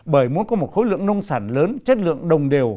bởi muốn có một khối lượng nông sản lớn chất lượng đồng đều